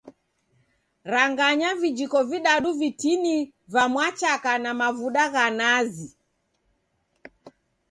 Ranganya vijiko vidadu vitini va mwachaka na mavuda gha nazi.